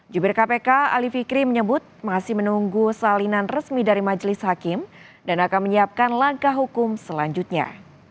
jubir kpk ali fikri menyebut masih menunggu salinan resmi dari majelis hakim dan akan menyiapkan langkah hukum selanjutnya